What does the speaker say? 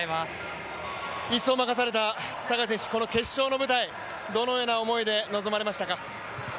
１走を任された坂井選手、この決勝の舞台、どのような思いで臨まれましたか？